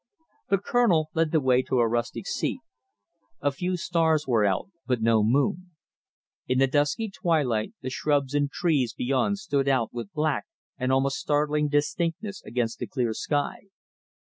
The Colonel led the way to a rustic seat. A few stars were out, but no moon. In the dusky twilight, the shrubs and trees beyond stood out with black and almost startling distinctness against the clear sky.